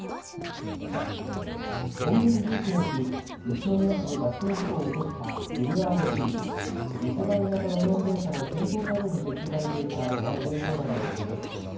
今月１９日、宇都宮市で脱線事故を起こしたＬＲＴ・次世代型路面電車の先頭車両に設置されていたドライブレコーダーの映像です。